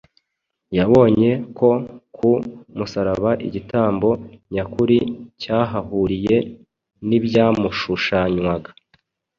Yabonye ko ku musaraba igitambo nyakuri cyahahuriye n’ibyamushushanywaga,